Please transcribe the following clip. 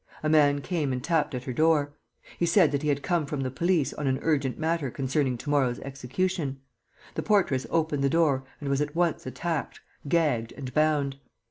A man came and tapped at her door. He said that he had come from the police on an urgent matter concerning to morrow's execution. The portress opened the door and was at once attacked, gagged and bound.